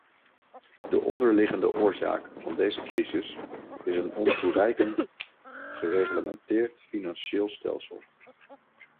De onderliggende oorzaak van deze crisis is een ontoereikend gereglementeerd financieel stelsel.